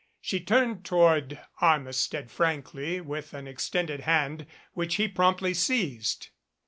She turned toward Armistead frankly with an extended hand, which he promptly seized.